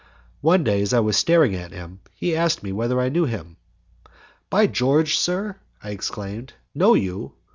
One day as I was staring at him, he asked me whether I knew him. "By George, sir!" I exclaimed, "know you!